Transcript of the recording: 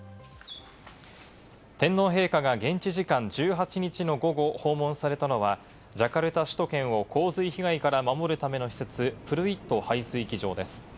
天皇陛下が現地時間１８日の午後、訪問されたのはジャカルタ首都圏を洪水被害から守るための施設・プルイット排水機場です。